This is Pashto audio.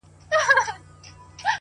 • کله کله د دې لپاره لیکل کیږي ,